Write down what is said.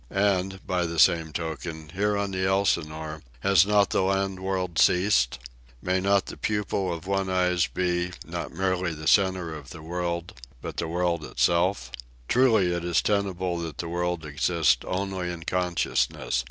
And by the same token, here on the Elsinore, has not the land world ceased? May not the pupil of one's eye be, not merely the centre of the world, but the world itself? Truly, it is tenable that the world exists only in consciousness.